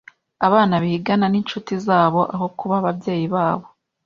Abana bigana inshuti zabo aho kuba ababyeyi babo.